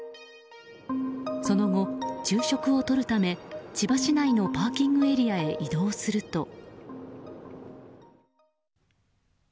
その後、昼食をとるため千葉市内のパーキングエリアへ移動すると。